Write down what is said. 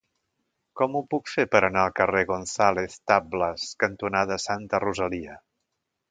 Com ho puc fer per anar al carrer González Tablas cantonada Santa Rosalia?